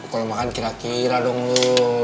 kalo makan kira kira dong lu